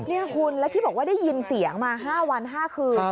นี่คุณแล้วที่บอกว่าได้ยินเสียงมา๕วัน๕คืน